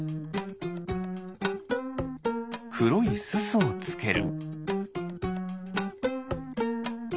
くろいすすをつける。